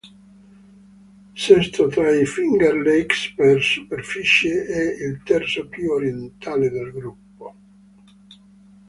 Sesto tra i Finger Lakes per superficie, è il terzo più orientale del gruppo.